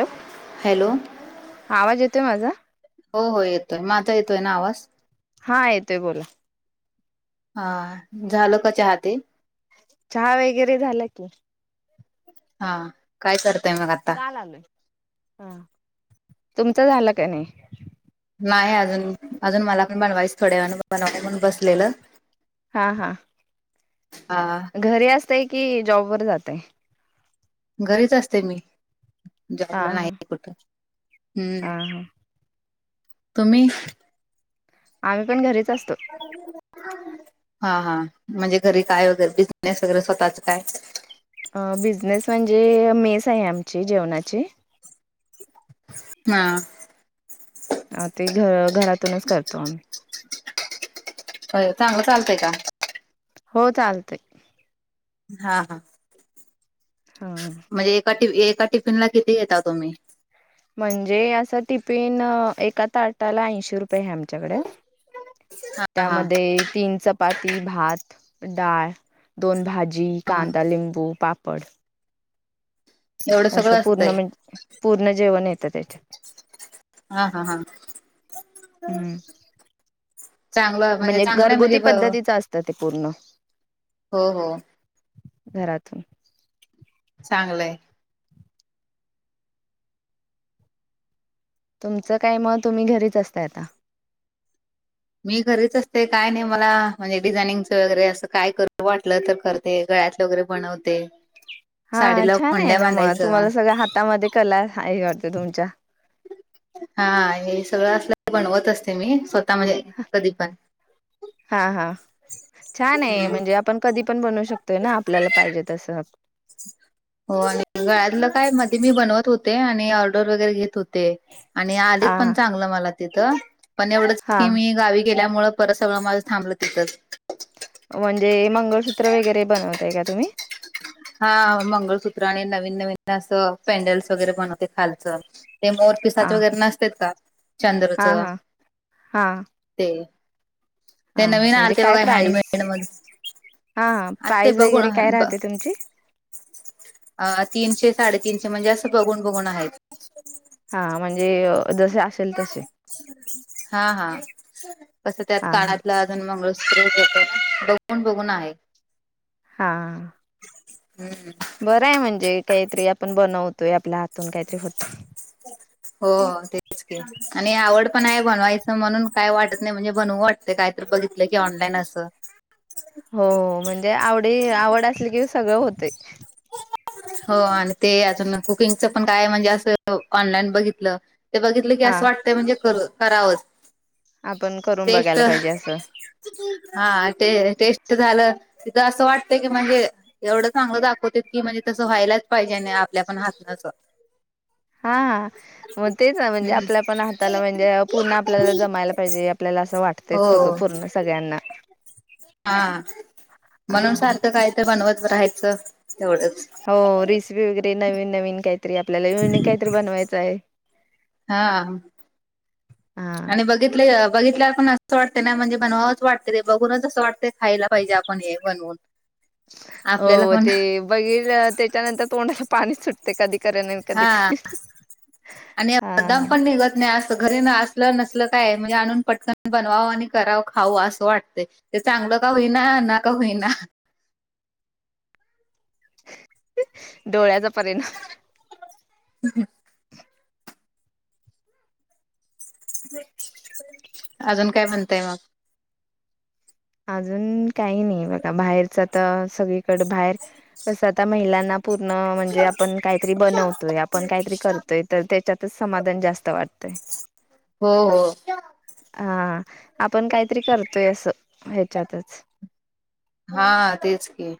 Hello hello हा आवाज येतोय माझा. हो हो येतोय माझा येतोय ना आवाज. हा येतोय बोल. हा झालं का चहा ती- चहा वगैरे झाला की. हा काय करताय मग आता.? तुमच झालं का नाही? नाही अजून, अजून मला पण बनवायचं थोड्याच वेळाने बनवा म्हून बसलेलं. हा, हा. हां. घरी असते की जॉब वर जातय? घरीच असते मी हा जॉबला हा नाही कुठं हम्म- हा हा तुम्ही आम्ही पण घरीच असतोय. हा म्हणजे घरी काय वगैरे बिझनेस स्वतःच काय? अ बिझनेस म्हणजे मेस आहे आमची जेवणाची हां. ते घर घरातूनच करतो आम्ही हो चांगलं चालतय का? हो चालतंय. हा हां हा म्हणजे एका एका टिफिन ला किती घेता तुम्ही? म्हणजे असं टिफिन एका ताटाला ऐंशी रुपये आमच्या कडे हा हा त्यामध्ये- तीन चपाती, भात, डाळ, दोन भाजी, हा कांदा, लिंबू पापड पड एवढं असं सगळं पूर्ण असतंय म्हण पूर्ण जेवण येतं त्याच्या- हा हां हां हम्म. चांगलं म्हणजे चांगलंय म्हणजे घरगुती पद्धतीच असतं ते पूर्ण- हो हो. घरातून चांगलंय. तुमचं काय म तुम्ही घरीच असताय आता मी घरीच असते काय नाही मला म्हणजे डिझायनिंगच वगैरे असं काय कर वाटलं तर खरं ते गळ्यातले वगैरे बनवते. हा साडीला छान आहे खोंड्या ना मग बांधायचं तुम्हाला सगळ्या हातामध्ये कला आहे वाटते तुमच्या. हां हे सगळं असलं बनवत असते मी स्वतः कधी पण- हां हां छान आहे हम्म म्हणजे आपण कधी पण बनवू शकतोय ना आपल्याला पाहिजे तसं. हो आणि गळ्यातलं काय मध्ये मी बनवत होते आणि ऑर्डर वगैरे घेत होते. ते आणि आलेत हा पण चांगलं मला तिथं पण एवढं हा. की मी गावी गेल्यामुळ परत सगळं माझं थाबलं तिंथच म्हणजे मंगळसूत्र वगैरे बनवताय का तुम्ही? हा मंगळसूत्र आणि नवीन, नवीन पॅनडल्स वगैरे बनवते खालच. ते मोर पीसाच हा वगैरे नसत का हा चंद्राचं हा हा. ते- ते हा नवीन म्हणजे आलते काय बघा प्राईस? हॅडमेड मध्ये- हा प्राईज वगैरे काय राहते तुमची? अ तीनशे, साडेतीनशे म्हणजे असं बघून बघून आहेत. हा म्हणजे जसे असेल तसे. हा हा,, कसं त्यात हा हा कानातल्यात मंगळसुत्र [unintelligible] बघून बघून आहे. हां. हम्म. बरंय म्हणजे काहीतरी आपण बनवतोय, आपल्या हातून काहीतरी होते. हो तेच आणि आवड पण हाय बनवायचं म्हणून काय वाटत नाही, म्हणजे बनवु वाटतय काय तर बघितलं की ऑनलाईन असं. हा हो, म्हणजे आवडी आवड असली की सगळं होतेय. हो, आणि ते अजून कुकिंगच पण काय म्हणजे असं, ऑनलाईन बघितलं ते बघितलं की हा असं वाटतंय म्हणजे करू, करावंच. आपण करून टेस्ट बघायला पाहिजे असं. हा ते टेस्ट झालं, तिथं असं वाटतं की म्हणजे एवढं चांगलं दाखवतेत की म्हणजे तसं व्हायलाच पाहिजे आणी, आपल्यापण हातनं असं. हा. मग तेच ना म्हणजे हम्म आपल्या पण हाताला म्हणजे पूर्ण आपल्याला जमायला पाहिजे,, आपल्याला असं वाटतयच सगळं हो पूर्ण सगळ्यांना. हा, म्हणून सारखं काय तर बनवत राहायचं,, तेवढंच. हो, रेसिपी वगैरे नवीन नवीन काहीतरी आपल्याला युनिक काहीतरी बनवायचं आहे. हा. हा आणि बघितले बघितल्याला पण असंच वाटतें ना, म्हणजे बनवावंच वाटतं ते, तेबघूनच असं वाटतें खायला पाहिजे. पण हे बणवून. हो ते बगर त्याच्यानंतर तोंडाला पाणी सुटतय, कधी करेन कधी हा, आणि ब हा दमपण निगत नाही असत घर न असत लं नसलं काय,, म्हणजे आणून पटकन बनवावं आणि करावं खावं असं वाटतंय. ते चांगलं का हूईना, ना का हूईना. डोळ्याचा परिणाम. ह हम्म. अजून काय म्हणताय मग. अजून काही नाही बघा,, बाहेरचं आता सगळीकडं बाहेर कसं आता महिलांना पूर्ण म्हणजे आपण काहीतरी बनवतोय, आपण काहीतरी कर तर त्याच्यातच समाधान जास्त वाटतंय. हो हो. हा, आपण काहीतरी करतोय असं ह्याच्यातच. हा तेच की.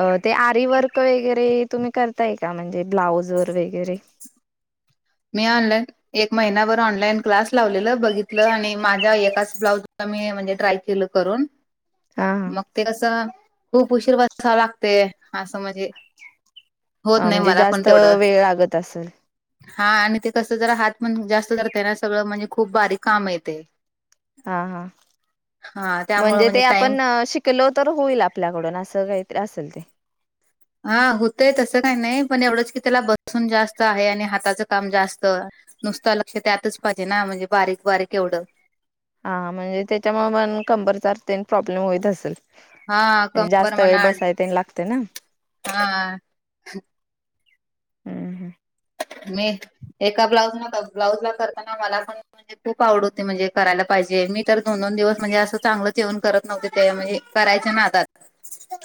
अ ते आरी वर्क वगैरे तुम्ही करताय का म्हणजे ब्लाऊज वर वगैरे? मी ऑनलाइन एक महिनाभर ऑनलाईन क्लास लावलेलं, बघितलं आणि माझ्या एकाच ब्लाउज ला मी म्हणजे ट्राय केलं करून. हा हा मग ते कसं, खूप उशीर बसावं लागतय,, असं म्हणजे होत हा नाही म्हणजे मला पण जास्त तेवढं वेळ लागत असल. हा, आणि ते कसं जरा हात पण जास्त धरते ना, सगळं म्हणजे खूप बारीक कामय ते. हा हा, हा त्यामुळे म्हणजे ते टाइम आपण शिक कलो तर होईल आपल्याकडून, असं कायतर असल हा होतय तसं काही नाही पण एवढंच की त्याला बसून जास्त आहे. आणि हाताचं काम जास्त नुसत लक्ष त्यातच पाहिजे ना म्हणजे बारीक बारीक एवढं हा म्हणजे त्याच्यामुळे म कंबरचा ते प्रॉब्लेम होईत असेल. हा कंबर जास्त वेळ म्हणा बसाय तेन लागते ना. हा. हम्म हम्म मी, एका ब्लाऊज न ब्लाऊजला करताना मला पण खूप आवड होते म्हणजे करायला पाहिजे मी तर दोन -दोन दिवस म्हणजे असं चांगलं ठेवन करत नव्हती ते म्हणजे करायच्या नादात.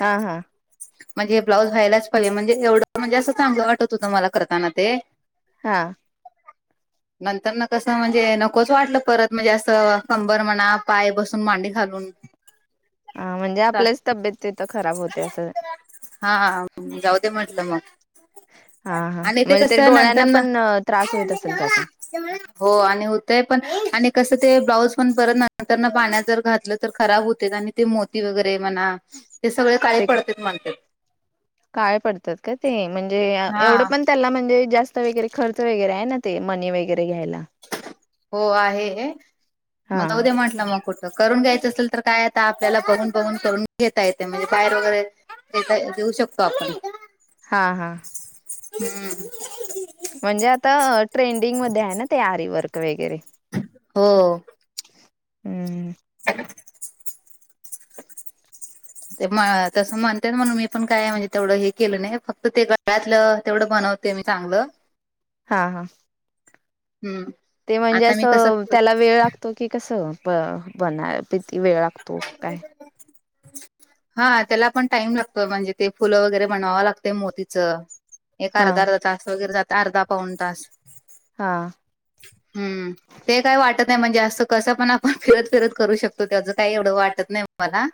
हा हा. म्हणजे हे ब्लाऊज व्हायलाच पाहिजे म्हणजे एवढं म्हणजे असं चांगल वाटत होतं मला करताना. ते. हा. [inaudible] नंतर ना कसं म्हणजे नकोच वाटलं परत म्हणजे असं कंबर म्हणा, पाय बसून मांडी घालून हा म्हणजे आपल्याच तब्येत तीथं खराब होते. असं हा, जाऊदे म्हटलं मग. हा हा, आणि ते म्हणजे तरी कसं डोळ्यांना नंतर ना पण त्रास होईत असेल त्याचा. हो आणि होतय पण आणि कस ते ब्लाऊज पण परत नंतर पाण्यात जर घातलं तर खराब होते आणि ते मोती वगैरे म्हणा, ते सगळे काळे ते पडत म्हणतात. काळे पडतात का ते म्हणजे हा एवढं पण त्याला म्हणजे जास्त वगैरे खर्च वगैरे आहे ना ते मनी वगैरे घ्यायला. हो आहे. हा मग उद्या म्हटलं मग कुठे करून घ्यायचं असेल तर काय आता आपल्याला बघून बघून करून घेता येते, म्हणजे बाहेर वगैरे देता देऊ शकतो आपण. [inaudible] हा हा,, हम्म [inaudible] म्हणजे आता अ ट्रेंडिंग मध्ये आहे ना ते आरी वर्क वगैरे हो. हम्म. [inaudible] ते म तस मानण्यात म्हणून मी पण काय म्हणजे तेवढं हे केलं नाही, फक्त ते गट यातल तेवड बनवते मी चांगल. हा हा,, हम्म. ते म्हणजे आता मी कसं असं करतो, त्याला वेळ लागतो की कसं ब- बनाय किती वेळ लागतो? काय ह [inaudible] हा त्याला पण टाइम लागतो म्हणजे ते फुलं वगैरे बनवाव लागते मोतीचं एक हा अर्धा -अर्धा तास वगैरे जात, अर्धा पाऊन तास हां. हम् ते काय वाटत नाही म्हणजे असं कसं पण आपण फिरत- फिरत करू शकतो त्याच काही एवढं वाटत नाही मला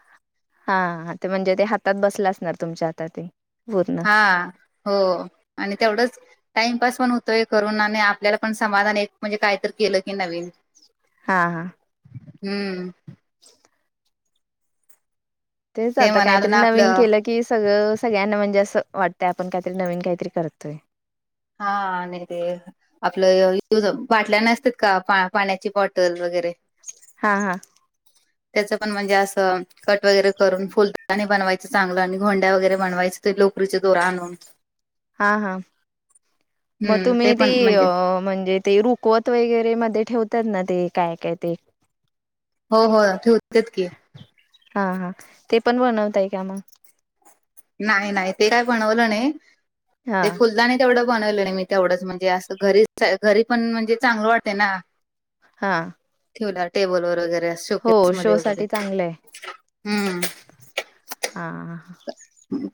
हा हा, ते म्हणजे ते हातात बसल असणार तुमच्या आता ते वरून हा हो, आणि तेवढंच टाइमपास पण होतोय करून आणि आपल्याला पण समाधान एक म्हणजे काय तरी केल की नवीन हा हा,, हम्म. [inaudible] तेच ते आता म्हणा काहीतरी अजून नवीन आपलं केलं की सगळं सगळ्यांना म्हणजे असं वाटतंय आपण काहीतरी नवीन काहीतरी करतोय‌. हा आणि ते. आपलं इथ ज बाटल्या नसत्यात का पा पाण्याची बॉटल वगैरे. हां हां. [inaudible] त्याचं पण म्हणजे असं कट वगैरे करून फुलदाणी बनवायचं चांगलं आणि घोंड्या वगैरे बनवायचं. ते लोकरीचे दोर आणून हा हा. मग हम्म ते तुम्ही ती पण म्हणजे अ म्हणजे ते रुकवत वगैरे मध्ये ठेवतात ना ते काय काय ते. हो होय ठेवत्यात की. हा हा‌. ते पण बनवताय काय मग? नाय नाय ते काय बनवलं नैय‌. हा ते फुलदाणी तेवढं बनवलं नाही मी तेवढंच म्हणजे असं घरी च घरी पण म्हणजे चांगलं वाटतय ना. हां. ठेवल्या टेबल वगैरे शो केेस मध्ये शो वगैरे. साठी चांगलं आहे हम्म हा ह.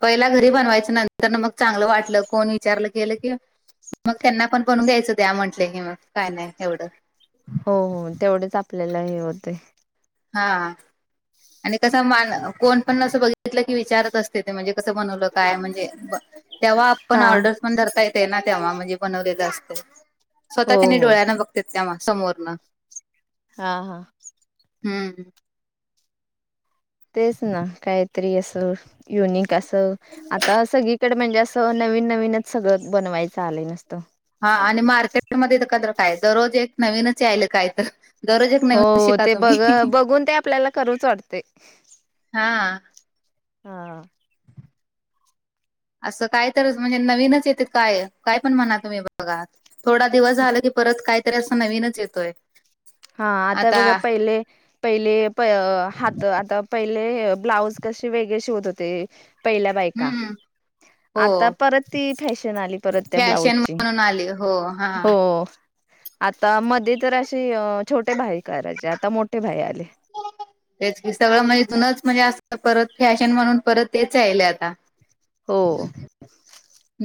पहिला घरी बनवायच नंतरण मग चांगलं वाटलं कोण विचारलं केलं कि मग त्यांना पण बनून दयायचं दया म्हटले की मग काय नाही एवढं. हो हो. तेवढेच आपल्याला हे होतय. हा हा. आणि कसं मग कोण पण असं बघितलं की विचारत असते ते म्हणजे कसं बनवलं काय म्हणजे ब तेव्हा आपण हा ऑर्डर्स पण धरता येते ना तेव्हा म्हणजे बनवलेलं असतं. स्वतः हो त्यांनी हो डोळ्यान बघत्यात तेव्हा समोरन. हा हा. हम्म. तेच ना काहीतरी असं युनिक असं. आता सग- कडे म्हणजे असं नवीन नवीनच सगळं बनवायचं आलंय नुस्तं. हा आणि मार्केटमध्ये तर क्र काय दररोज एक नवीनच यायल काय तर. दररोज एक हो नवीन शिका ते बघ तुम्ही बघून ते आपल्याला करूच वाटते. हा‌. हा. असं काय तरच म्हणजे नवीनच येते काय. काय पण म्हणा तुम्ही बघा. थोडा दिवस झाला की परत काहीतरी असं नवीनच येतोय. हा आता बघा पहिले पहिले प हात आता पहिले ब्लाऊज कसे वेगळे शिवत होते. पहिल्या बायका. हम्म हो आता परत ती फॅशन आली परत त्या फॅशन ब्लाउजची. म्हणून आली हो. हा. आता मध्ये तर असे छोटे भाई करायचे आता मोठे भाई आले. [unintelligible] तेच क सगळं म्हणजे जुनच म्हणजे अस परत फॅशन म्हणून परत तेच याहिल आता. हो. [inaudible]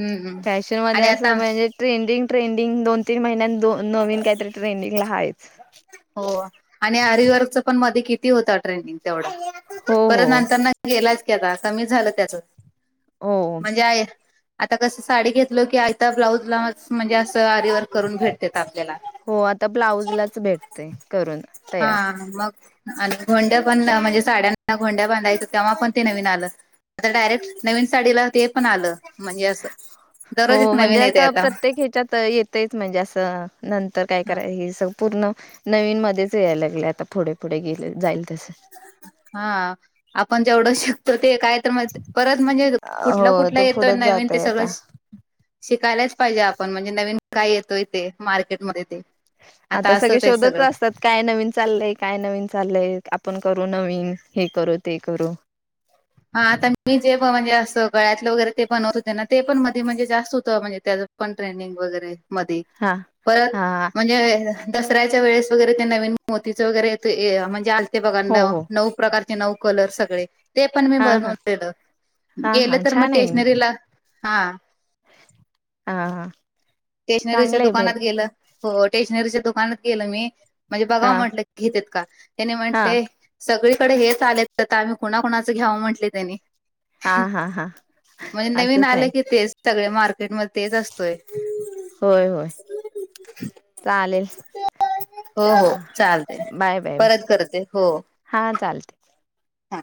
फॅशनमध्ये आणि असं, आता मजे ट्रेंडिंग- ट्रेंडिंग. दोन- तीन महिन्यात, दोन नवीन काहीतरी ट्रेंडिंगला हायच. हो. आणि आरीवर्कचं पण, मधी किती होता ट्रेंडिंग तेवढा. हो परत हो नंतरन गेलाच की आता. कमी झालं त्याचं. हो म्हणजे आयर आता कसं, साडी घेतलो की, आयता ब्लाऊजलाच म्हणजे असं, आरीवर्क करून भेटतेेत आपल्याला. हो आता ब्लाउजलाच भेटतय, करून. तयार. हा, मग? आणि गोंड्या पण ना. म्हणजे, साड्यांना गोंड्या बांधायचं, तेव्हा पण ते नवीन आलं. आता डायरेक्ट, नवीन साडीला ते पण आलं. म्हणजे असं हो दररोज एक म्हणजे नवीन येते आता, प्रत्येक ह्याच्यात येत तेयच म्हणजे असं, नंतर काय कराय हे स- पूर्ण, नवीन मध्येच याय लागलं आता. पुढे- पुढे गेलं, जाईल तसं. हा. आपण जेवढं शिकतो, ते काय तर म परत म्हणजे, कुठलं- हो कुठलं ते येतं पुढेच नवीन ते जातय सगळं आता. शि शिकायलाच पाहिजे आपण. म्हणजे, नवीन काय येतोय ते, मार्केट मध्ये ते. आता सगळी, असंच आहे शोधतं सगळं असतात. काय नवीन चाललंय, काय नवीन चाललंय. आपण करू नवीन. हे करू, ते करू. हा, आता मी जे म्हणजे असं, गळ्यातलं वगैरे ते बनवत होते ना, ते पण मधे म्हणजे जास्त होतं. म्हणजे त्याज पण ट्रेनिंग वगैरे, मधी. हा परत हा म्हणजे दसऱ्याच्या वेळेस वगैरे, ते नवीन मोतीच वगैरे येतं ये म्हणजे आलते बघा, हो नव हो नऊ प्रकारचे नऊ. कलर सगळे. ते पण मी हा हा बनवून दिलं. हा गेलं हा तर मग, छान आहे टेशनरीला. हा. हा, हा. टेशनरीच्या चांगलं आहे दुकानात भरपूर गेलं, हो. टेशनरीच्या दुकानात गेलं मी. म्हणजे हा बघाव म्हटलं घेतेत का? त्याने हा म्हंटले सगळीकडे हेच आले तर, ता आम्ही कुणाकुणाचं घ्यावं म्हटले, त्यानी. हा [unintelligible] हा हा म्हने, नवीन असंच आलं की, आहेत तेच. सगळे मार्केट मध्ये तेच असतोय. होय, होय. चालेल. हो, हा हो. चालतय. बाय बाय बाय परत करते. हो. हा, चालतय. हा.